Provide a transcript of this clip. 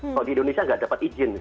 kalau di indonesia nggak dapat izin